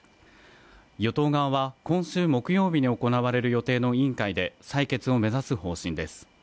与党側は今週木曜日に行われる予定の委員会で採決を目指す方針です。